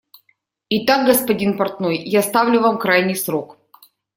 Итак, господин портной, я ставлю вам крайний срок.